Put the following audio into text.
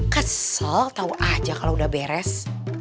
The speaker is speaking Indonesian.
kesel tau aja kalau udah beres